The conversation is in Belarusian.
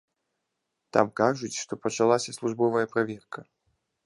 Там кажуць, што пачалася службовая праверка.